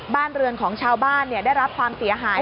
บ้านเรือนของชาวบ้านได้รับความเสียหาย